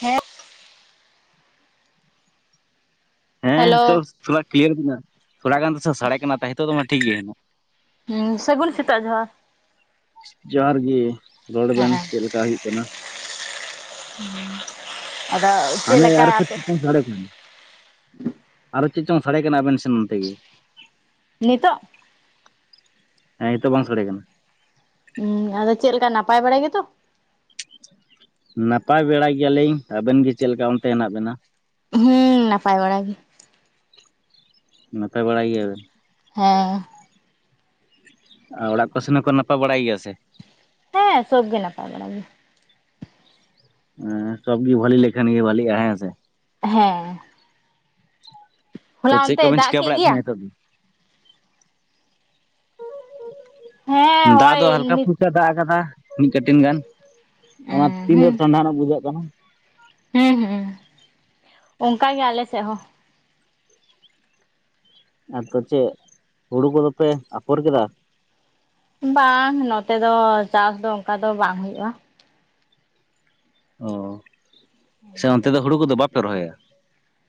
ᱦᱮᱸ ᱦᱮᱸ ᱦᱮᱞᱳ [unintelligible] ᱛᱷᱚᱲᱟ ᱠᱞᱤᱭᱟᱨ ᱵᱮ ᱛᱷᱚᱲᱟ ᱜᱟᱱ ᱫᱚᱥᱚ ᱥᱟᱰᱮ ᱠᱟᱱᱟ ᱛᱚ ᱱᱤᱛᱚᱜ ᱫᱚ ᱢᱟ ᱴᱷᱤᱠ ᱜᱮᱭᱟᱱᱟᱜ ᱦᱩᱸ ᱥᱟᱹᱜᱩᱱ ᱥᱮᱛᱟᱜ ᱡᱚᱦᱟᱨ ᱡᱚᱦᱟᱨ ᱜᱮ ᱨᱚᱲ ᱵᱮᱱ ᱦᱮᱸ ᱪᱮᱫ ᱞᱮᱠᱟ ᱦᱩᱭᱩᱜ ᱠᱟᱱᱟ [inaudible] ᱟᱫᱚ ᱪᱮᱫ ᱦᱟᱱᱮ ᱞᱮᱠᱟ ᱟᱨ ᱟᱯᱮ [unintelligible] ᱟᱨᱚ ᱪᱮᱫ ᱪᱚᱝ ᱥᱟᱰᱮ ᱠᱟᱱᱟ ᱟᱵᱮᱱ ᱥᱮᱱ ᱱᱚᱛᱮ ᱜᱮᱼᱼ ᱱᱤᱛᱚᱜᱼᱼ ᱦᱮᱸ ᱱᱤᱛᱳᱜ ᱵᱟᱝ ᱥᱟᱰᱮ ᱠᱟᱱᱟ ᱦᱩᱸ ᱟᱫᱚ ᱪᱮᱫ ᱞᱮᱠᱟ ᱱᱟᱯᱟᱭ ᱵᱟᱲᱟ ᱜᱮᱛᱚᱼᱼ ᱱᱟᱯᱟᱭ ᱵᱮᱲᱟ ᱜᱮᱭᱟ ᱞᱤᱧ ᱟᱵᱮᱱ ᱜᱮ ᱪᱮᱫ ᱞᱮᱠᱟ ᱚᱱᱛᱮ ᱦᱮᱱᱟᱜ ᱵᱮᱱᱟ ᱦᱩᱸ ᱱᱟᱯᱟᱭ ᱵᱟᱲᱟ ᱜᱮᱼᱼ ᱱᱟᱯᱟᱭ ᱵᱟᱲᱟᱭ ᱜᱮᱭᱟ ᱵᱮᱱᱼᱼ ᱦᱮᱸ ᱟᱨ ᱚᱲᱟᱜ ᱠᱚ [unintelligible] ᱠᱚ ᱱᱟᱯᱟᱭ ᱵᱟᱲᱟᱭ ᱜᱮᱭᱟ ᱥᱮ ᱦᱮᱸ ᱥᱚᱵ ᱜᱮ ᱱᱟᱯᱟᱭ ᱵᱟᱲᱟ ᱜᱮᱼᱼ ᱦᱮᱸ ᱥᱚᱵ ᱜᱮ ᱵᱷᱟᱞᱤ ᱞᱮᱠᱷᱟᱱ ᱜᱮ ᱵᱷᱟᱞᱤᱼᱟ ᱦᱮᱸ ᱥᱮ ᱾ ᱦᱮᱸ ᱾ ᱛᱚ ᱦᱚᱞᱟ ᱪᱮᱫ ᱚᱱᱛᱮᱭ ᱠᱚᱵᱮᱱ ᱫᱟᱜ ᱠᱮᱫ ᱪᱤᱠᱟᱹᱲᱟᱭᱮᱫ ᱜᱮᱭᱟ? ᱛᱟᱹᱦᱮᱱᱟ ᱱᱤᱛᱚᱹᱜ ᱫᱚ? ᱦᱮᱸ ᱫᱟᱜ ᱦᱳᱭ ᱫᱚ ᱦᱟᱞᱠᱟ ᱱᱤᱛ ᱯᱩᱞᱠᱟᱹ ᱫᱟᱜ ᱟᱠᱟᱫᱟ, ᱢᱤᱫ ᱠᱟᱹᱴᱤᱱ ᱜᱟᱱ ᱾ ᱚᱱᱟ ᱦᱩᱸ ᱛᱤᱱᱵᱟᱨ ᱴᱷᱟᱰᱟᱱ ᱵᱩᱡᱷᱟᱹᱜ ᱠᱟᱱᱟ ᱾ ᱦᱮᱸ, ᱦᱩᱸ ᱚᱱᱠᱟ ᱜᱮ ᱟᱞᱮ ᱥᱮᱫ ᱦᱚᱸ ᱾ ᱟᱫᱚ ᱪᱮᱫ ᱦᱩᱲᱩ ᱠᱚᱸᱫᱚ ᱯᱮ ᱟᱯᱷᱚᱨ ᱠᱮᱫᱟ? ᱵᱟᱝ ᱱᱚᱛᱮ ᱫᱚ ᱪᱟᱥ ᱫᱚ ᱚᱱᱠᱟ ᱫᱚ ᱵᱟᱝ ᱦᱩᱭᱩᱜᱼᱟ ᱾ ᱚ ᱥᱮ ᱚᱱᱛᱮ ᱫᱚ ᱦᱩᱲᱩ ᱠᱚᱫᱚ ᱵᱟᱯᱮ ᱨᱚᱦᱚᱭᱟ?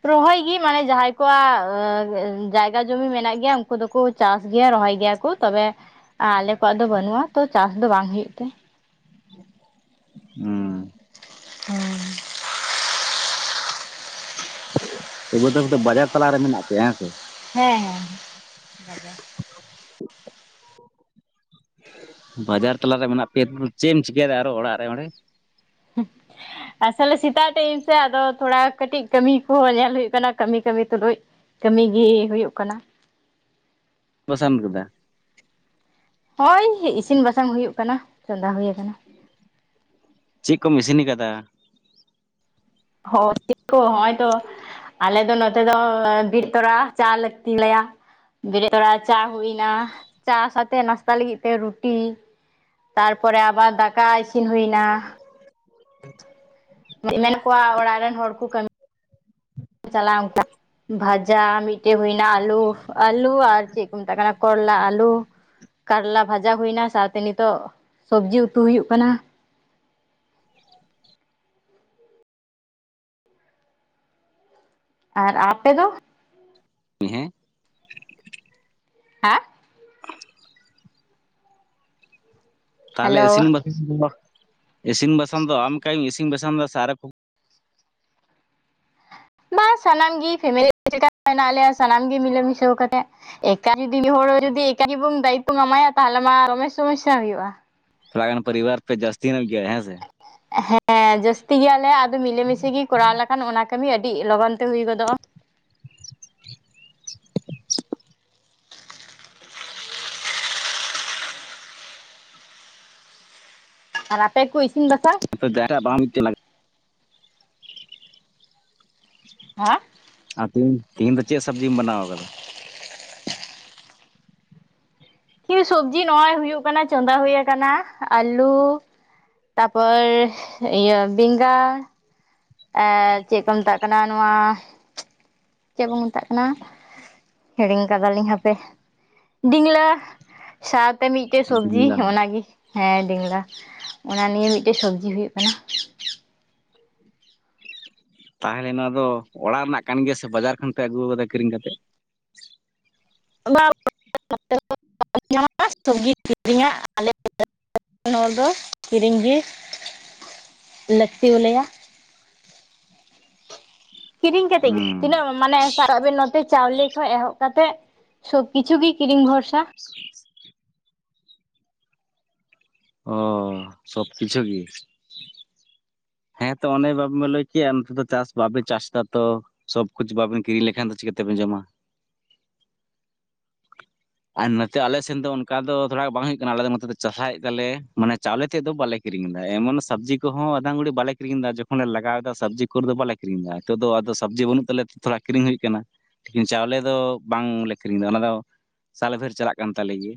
ᱨᱚᱦᱚᱭ ᱜᱮ ᱢᱟᱱᱮᱹ ᱡᱟᱦᱟᱸᱭ ᱠᱚᱣᱟᱜ ᱡᱟᱭᱜᱟ ᱡᱚᱢᱤ ᱢᱮᱱᱟᱹᱜ ᱜᱮᱭᱟ, ᱩᱱᱠᱩ ᱫᱚᱠᱚ ᱪᱟᱥ ᱜᱮᱭᱟ, ᱨᱚᱦᱚᱭ ᱜᱮᱭᱟ ᱠᱚ ᱾ ᱛᱚᱵᱮ ᱟᱞᱮ ᱠᱚᱣᱟᱜ ᱫᱚ ᱵᱟᱹᱱᱩᱜᱼᱟ ᱛᱚ, ᱪᱟᱥ ᱫᱚ ᱵᱟᱝ ᱦᱩᱭᱩᱜ ᱛᱮ ᱾ ᱦᱩᱸ ᱾ [inaudible] [unintelligible] ᱫᱚ ᱵᱟᱡᱟᱨ ᱛᱟᱞᱟᱨ ᱨᱮ ᱢᱮᱱᱟᱹᱜ ᱯᱮᱭᱟ ᱦᱮᱸ ᱥᱮ ᱾ ᱦᱮᱸ, ᱦᱮᱸ ᱾ [inaudible] ᱵᱟᱡᱟᱨ ᱛᱟᱞᱟᱨᱮ ᱢᱮᱱᱟᱹᱜ ᱯᱮᱭᱟ ᱪᱮᱫ ᱮᱢ ᱪᱤᱠᱟᱭᱟ ᱟᱨᱚ ᱚᱲᱟᱜ ᱨᱮ ᱚᱸᱰᱮ [inaudible] ᱟᱥᱚᱞᱮ ᱥᱮᱛᱟᱜ ᱴᱟᱭᱤᱢ ᱥᱮ ᱟᱫᱚ ᱛᱷᱚᱲᱟ ᱠᱟᱹᱴᱤᱡ ᱠᱟᱹᱢᱤ ᱠᱚᱦᱚᱸ ᱧᱮᱞ ᱦᱩᱭᱩᱜ ᱠᱟᱱᱟ ᱠᱟᱹᱢᱤ ᱠᱟᱹᱢᱤ ᱛᱩᱞᱩᱡ ᱠᱟᱹᱢᱤ ᱜᱮ ᱦᱩᱭᱩᱜ ᱠᱟᱱᱟ᱾ ᱯᱚᱥᱟᱱ ᱠᱟᱫᱟ ᱾ ᱱᱚᱜᱼᱚᱭ ᱤᱥᱤᱱ ᱵᱟᱥᱟᱝ ᱦᱩᱭᱩᱜ ᱠᱟᱱᱟ ᱪᱚᱸᱫᱟ ᱦᱩᱭ ᱟᱠᱟᱱᱟ ᱾ ᱪᱮᱜ ᱠᱚᱢ ᱤᱥᱤᱱ ᱠᱟᱫᱟ? ᱦᱚᱸ ᱪᱮᱜ ᱠᱚ ᱦᱚᱸᱜᱼᱚᱭ ᱛᱚ ᱾ ᱟᱞᱮ ᱫᱚ ᱱᱚᱛᱮ ᱫᱚ ᱵᱤᱨᱤᱜ ᱛᱚᱨᱟ ᱪᱟ ᱞᱮ ᱪᱚᱸᱫᱟᱭᱟ ᱵᱤᱨᱤᱜ ᱛᱚᱲᱟ ᱪᱟ ᱦᱩᱭ ᱱᱟ, ᱪᱟ ᱥᱟᱣᱛᱮ ᱱᱟᱥᱛᱟ ᱞᱟᱹᱜᱤᱫ ᱛᱮ ᱨᱩᱴᱤ ᱛᱟᱨᱯᱚᱨᱮ ᱟᱵᱟᱨ ᱫᱟᱠᱟ ᱤᱥᱤᱱ ᱦᱩᱭᱱᱟ ᱾ ᱢᱮᱱᱟᱜ ᱠᱚᱣᱟ ᱚᱲᱟᱜ ᱨᱮᱱ ᱦᱚᱲ ᱠᱚ ᱠᱟᱹᱢᱤ ᱪᱟᱞᱟᱜᱼᱟ ᱚᱱᱠᱟ ᱵᱷᱟᱡᱟ ᱢᱤᱫᱴᱮᱜ ᱦᱩᱭᱱᱟ, ᱟᱞᱩ ᱟᱞᱩ ᱟᱨ ᱪᱮᱫ ᱠᱚ ᱢᱮᱛᱟᱜ ᱠᱟᱱᱟ ᱠᱚᱨᱞᱟ ᱟᱞᱩ ᱠᱟᱨᱞᱟ ᱵᱷᱟᱡᱟ ᱦᱩᱭᱱᱟ, ᱥᱟᱶᱛᱮ ᱱᱤᱛᱚᱜ ᱥᱚᱵᱡᱤ ᱩᱛᱩ ᱦᱩᱭᱩᱜ ᱠᱟᱱᱟ ᱾ ᱟᱨ ᱟᱯᱮ ᱫᱚ? ᱦᱮᱸ ᱾ ᱦᱟ ᱛᱟᱦᱚᱞᱮ ᱦᱮᱞᱳ ᱤᱥᱤᱱ ᱫᱚ, ᱤᱥᱤᱱ ᱵᱟᱥᱟᱝ ᱫᱚ ᱟᱢ ᱮᱠᱟᱭ ᱜᱮ ᱤᱥᱤᱱ ᱵᱟᱥᱟᱝ ᱫᱟ ᱥᱮ ᱟᱨ ᱵᱟ ᱥᱟᱱᱟᱢ ᱜᱤ, ᱯᱷᱮᱢᱮᱞᱤ ᱪᱮᱠᱟ ᱢᱮᱱᱟᱜ ᱞᱮᱭᱟ ᱥᱟᱱᱟᱢ ᱜᱤ ᱢᱤᱞᱟᱹ ᱢᱤᱥᱟᱹᱣ ᱠᱟᱛᱮᱜᱮ ᱮᱠᱟ ᱡᱩᱫᱤ ᱢᱤᱫ ᱦᱚᱲ ᱡᱩᱫᱤ ᱮᱠᱟ ᱜᱤ ᱵᱚᱱ ᱫᱟᱭᱤᱛᱚᱢ ᱮᱢᱟᱭᱟ, ᱛᱟᱦᱚᱞᱮ ᱢᱟ ᱫᱚᱢᱮ ᱥᱚᱢᱚᱥᱥᱟ ᱦᱩᱭᱩᱜᱼᱟ ᱾ ᱛᱷᱚᱲᱟ ᱜᱟᱱ ᱯᱟᱹᱨᱤᱵᱟᱨ ᱯᱮ ᱡᱟᱥᱛᱤ ᱧᱚᱜ ᱜᱤᱭᱟ ᱦᱮᱸ ᱥᱮ ᱾ ᱦᱮᱸ ᱡᱟᱹᱥᱛᱤ ᱜᱮᱭᱟᱞᱮ, ᱟᱫᱚ ᱢᱤᱞᱮ ᱢᱤᱥᱮ ᱜᱤ ᱠᱚᱨᱟᱣ ᱞᱮᱠᱷᱟᱱ ᱚᱱᱟ ᱠᱟᱹᱢᱤ ᱟᱹᱰᱤ ᱞᱚᱜᱚᱱ ᱛᱮ ᱦᱩᱭ ᱜᱚᱫᱚᱜᱼᱟ ᱾ ᱟᱨ ᱟᱯᱮ ᱠᱚ ᱤᱥᱤᱱ ᱵᱟᱥᱟᱝ? [inaudible] ᱟ ᱟᱨ ᱛᱤᱦᱤᱧ ᱫᱚ ᱪᱮᱜ ᱥᱟᱵᱽᱡᱤᱢ ᱵᱮᱱᱟᱣ ᱠᱟᱫᱟ? ᱠᱤ ᱥᱚᱵᱽᱡᱤ ᱱᱚᱸᱜᱼᱚᱭ ᱦᱩᱭᱩᱜ ᱠᱟᱱᱟ, ᱪᱚᱸᱫᱟ ᱦᱳᱭ ᱟᱠᱟᱱᱟ ᱟᱞᱩ ᱛᱟᱨᱯᱚᱨ ᱤᱭᱟᱹ ᱵᱮᱸᱜᱟᱲ ᱮᱸᱜ ᱪᱮᱜ ᱠᱚ ᱢᱮᱛᱟᱜ ᱠᱟᱱᱟ, ᱱᱚᱣᱟ ᱪᱮᱜ ᱠᱚ ᱢᱮᱛᱟᱜ ᱠᱟᱱᱟ ᱦᱤᱲᱤᱧ ᱠᱟᱫᱟᱞᱤᱧ ᱦᱟᱯᱮ, ᱰᱤᱝᱞᱟᱹ, ᱥᱟᱜ ᱛᱮ ᱢᱤᱜᱴᱮᱜ ᱥᱚᱵᱽᱡᱤ, ᱵᱤᱞᱟ ᱚᱱᱟ ᱜᱮ ᱦᱮᱸ ᱰᱤᱸᱝᱞᱟ᱾ ᱚᱱᱟ ᱱᱤᱭᱮ ᱢᱤᱜᱴᱮᱜ ᱥᱚᱵᱽᱡᱤ ᱦᱩᱭᱩᱜ ᱠᱟᱱᱟ᱾ ᱛᱟᱦᱮ ᱞᱮᱱᱟ ᱫᱚ, ᱚᱲᱟᱜ ᱨᱮᱱᱟᱜ ᱠᱟᱱ ᱜᱮᱭᱟ ᱥᱮ ᱵᱟᱡᱟᱨ ᱠᱷᱚᱱ ᱯᱮ ᱟᱹᱜᱩ ᱠᱟᱫᱟ ᱠᱤᱨᱤᱧ ᱠᱟᱛᱮᱜ? ᱵᱟ ᱧᱟᱢ ᱥᱚᱵᱽᱡᱤ ᱠᱤᱨᱤᱧᱟ [unintelligible] ᱟᱞᱮ [unintelligible] ᱱᱚᱣᱟ ᱫᱚ ᱠᱤᱨᱤᱧ ᱜᱤ ᱞᱟᱹᱠᱛᱤ ᱟᱞᱮᱭᱟ᱾ ᱠᱤᱨᱤᱧ ᱠᱟᱛᱤ ᱜᱤ ᱦᱩᱸ ᱛᱤᱱᱟᱹᱜ ᱢᱟᱱᱮ ᱟᱨ ᱟᱵᱮᱱ ᱱᱚᱛᱮ ᱪᱟᱣᱞᱮ ᱠᱷᱚᱡ ᱮᱦᱚᱵ ᱠᱟᱛᱮᱜ ᱥᱚᱵ ᱠᱤᱪᱷᱩ ᱜᱤ ᱠᱤᱨᱤᱧ ᱵᱷᱚᱨᱥᱟ᱾ ᱚ, ᱥᱚᱵ ᱠᱤᱪᱷᱩ ᱜᱤ? ᱦᱮᱸ ᱛᱚ ᱚᱱᱮ ᱵᱟᱢ ᱞᱟᱹᱭ ᱠᱮᱜᱼᱟ, ᱱᱚᱛᱮ ᱫᱚ ᱪᱟᱥ ᱵᱟᱯᱮ ᱪᱟᱥ ᱮᱫᱟ ᱛᱚ? ᱥᱚᱵ ᱠᱩᱪ ᱵᱟᱵᱮᱱ ᱠᱤᱨᱤᱧ ᱞᱮᱠᱷᱟᱱ ᱫᱚ ᱪᱤᱠᱟᱹᱠᱟ ᱛᱮᱵᱮᱱ ᱡᱚᱢᱟ᱾ ᱟᱨ ᱱᱚᱛᱮ ᱟᱞᱮ ᱥᱮᱱ ᱫᱚ ᱚᱱᱠᱟ ᱫᱚ ᱛᱷᱚᱲᱟ ᱵᱟᱝ ᱦᱩᱭᱩᱜ ᱠᱟᱱᱟ᱾ ᱟᱞᱮ ᱫᱚ ᱱᱚᱛᱮ ᱫᱚ ᱪᱟᱥᱟᱭᱮᱜ ᱛᱟᱞᱮ ᱢᱟᱱᱮ ᱪᱟᱣᱞᱮ ᱛᱮᱫ ᱫᱚ ᱵᱟᱞᱮ ᱠᱤᱨᱤᱧ ᱮᱫᱟ᱾ ᱮᱢᱚᱱ ᱥᱟᱵᱽᱡᱤ ᱠᱚᱦᱚ ᱟᱫᱷᱟᱜᱷᱩᱲᱤ ᱵᱟᱞᱮ ᱠᱤᱨᱤᱧ ᱮᱫᱟ, ᱡᱚᱠᱷᱚᱱ ᱞᱮ ᱞᱟᱜᱟᱣ ᱮᱫᱟ ᱥᱟᱵᱽᱡᱤ ᱠᱚᱨᱮ ᱵᱟᱞᱮ ᱠᱤᱨᱤᱧ ᱮᱫᱟ᱾ ᱱᱤᱛᱚᱜ ᱫᱚ ᱟᱫᱚ ᱥᱟᱵᱽᱡᱤ ᱵᱟᱹᱱᱩᱜ ᱛᱟᱞᱮ ᱛᱮ ᱛᱷᱚᱲᱟ ᱠᱤᱨᱤᱧ ᱦᱩᱭᱩᱜ ᱠᱟᱱᱟ᱾ ᱪᱟᱣᱞᱮ ᱫᱚ ᱵᱟᱝ ᱞᱮ ᱠᱤᱨᱤᱧ ᱮᱫᱟ᱾ ᱚᱱᱟ ᱫᱚ ᱥᱟᱞᱮ ᱵᱷᱟᱹᱨ ᱪᱟᱞᱟᱜ ᱠᱟᱱ ᱛᱟᱞᱮ ᱜᱮ